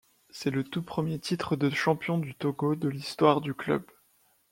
C'est le tout premier titre de champion du Togo de l'histoire du club.